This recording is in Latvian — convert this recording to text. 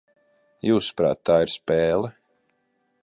Jūsuprāt, tā ir spēle?